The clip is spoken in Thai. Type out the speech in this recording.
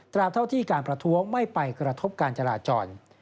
เท่าที่การประท้วงไม่ไปกระทบการจราจร